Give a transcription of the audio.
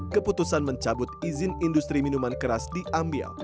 keputusan mencabut izin industri minuman keras diambil